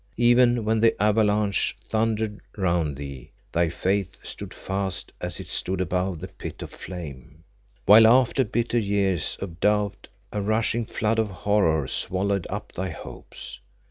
Even when the avalanche thundered round thee thy faith stood fast as it stood above the Pit of flame, while after bitter years of doubt a rushing flood of horror swallowed up thy hopes.